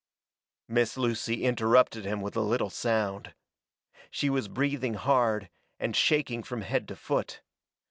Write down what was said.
Miss Lucy interrupted him with a little sound. She was breathing hard, and shaking from head to foot.